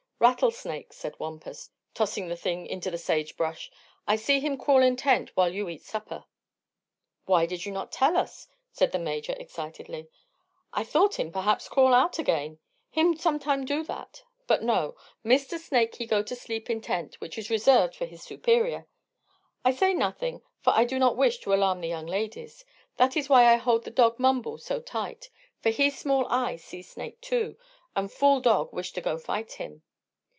"Rattlesnake," said Wampus, tossing the thing into the sagebrush. "I see him crawl in tent while you eat supper." "Why did you not tell us?" cried the Major excitedly. "I thought him perhaps crawl out again. Him sometime do that. But no. Mister snake he go sleep in tent which is reserve for his superior. I say nothing, for I do not wish to alarm the young ladies. That is why I hold the dog Mumble so tight, for he small eye see snake too, an' fool dog wish to go fight him.